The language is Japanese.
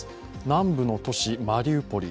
南部の都市、マリウポリ。